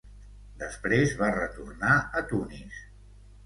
Després va retornar a Tunis.